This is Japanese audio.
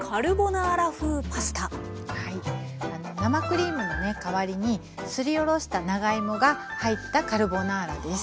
はい生クリームの代わりにすりおろした長芋が入ったカルボナーラです。